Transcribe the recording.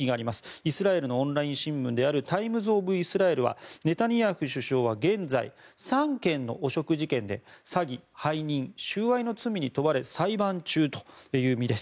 イスラエルのオンライン新聞であるタイムズ・オブ・イスラエルはネタニヤフ首相は現在３件の汚職事件で詐欺、背任、収賄の罪に問われ裁判中という実です。